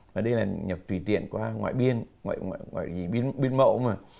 và đây là nhập tùy tiện qua ngoại biên ngoại gì biên mậu mà